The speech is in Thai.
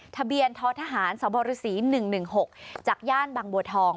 ทะเบียนท้อทหารสบฤษ๑๑๖จากย่านบางบัวทอง